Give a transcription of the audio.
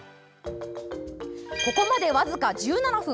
ここまで、僅か１７分。